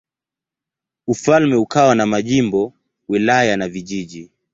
Ufalme ukawa na majimbo, wilaya na vijiji.